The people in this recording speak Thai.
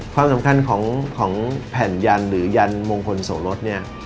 ความสำคัญของแผ่นยันหรือยันมงคลโสรสเนี่ย